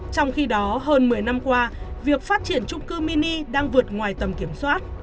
trong khi đó hơn một mươi năm qua việc phát triển trung cư mini đang vượt ngoài tầm kiểm soát